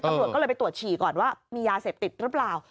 ตำรวจก็เลยไปตรวจฉี่ก่อนว่ามียาเสพติดหรือเปล่า